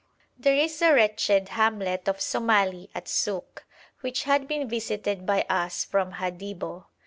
There is a wretched hamlet of Somali at Suk, which had been visited by us from Hadibo.